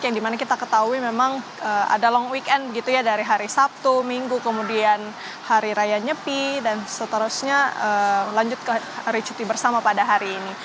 yang dimana kita ketahui memang ada long weekend gitu ya dari hari sabtu minggu kemudian hari raya nyepi dan seterusnya lanjut ke hari cuti bersama pada hari ini